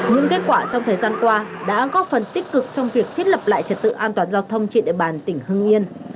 những kết quả trong thời gian qua đã góp phần tích cực trong việc thiết lập lại trật tự an toàn giao thông trên địa bàn tỉnh hưng yên